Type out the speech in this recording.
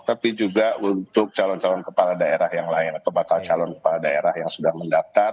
tapi juga untuk calon calon kepala daerah yang lain atau bakal calon kepala daerah yang sudah mendaftar